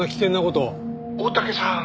「大竹さん